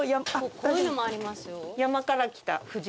こういうのもありますよ。